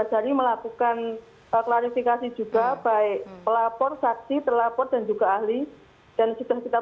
dari melakukan klarifikasi juga baik pelapor saksi terlapor dan juga ahli dan sudah kita